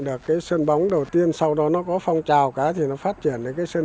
được cái sân bóng đầu tiên sau đó nó có phong trào cái thì nó phát triển